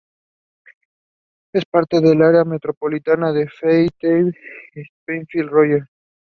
Bundesliga are included.